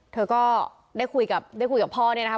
เธอก็ได้คุยกับพ่อเนี่ยนะคะ